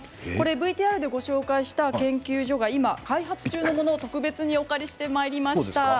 ＶＴＲでご紹介した研究所が今、開発中のものを特別にお借りしてまいりました。